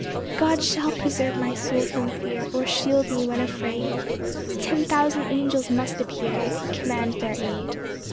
8 God shall preserve my soul from fear, Or shield me when afraid; Ten thousand angels must appear If he command their aid.